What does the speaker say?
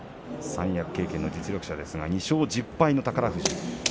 三役経験の実力者ですが２勝１０敗の宝富士。